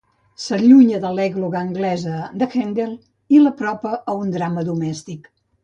S'allunya de l'ègloga anglesa de Haendel i l'apropa a un drama domèstic.